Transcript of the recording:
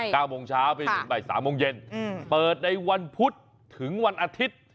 ใช่ช่าวไปถึงบ่าย๓โมงเย็นเปิดในวันพุธถึงวันอาทิตย์